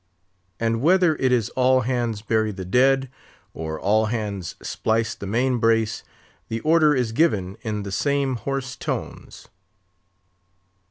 And whether it is all hands bury the dead! or all hands splice the main brace, the order is given in the same hoarse tones.